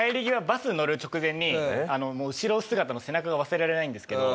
バス乗る直前にもう後ろ姿の背中が忘れられないんですけど。